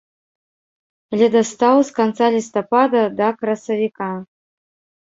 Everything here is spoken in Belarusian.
Ледастаў з канца лістапада да красавіка.